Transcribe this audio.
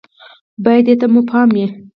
بايد دې ته مو پام وي